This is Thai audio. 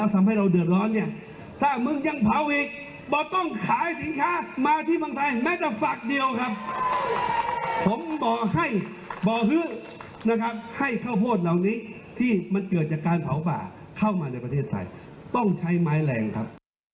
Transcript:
ผมบอกให้บ่อฮื้อนะครับให้ข้าวโพดเหล่านี้ที่มันเกิดจากการเผาป่าเข้ามาในประเทศไทยต้องใช้ไม้แรงครับ